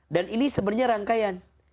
dan ini sebenarnya rangkaian